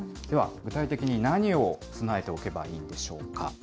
具体的に何を備えておけばいいんでしょうか。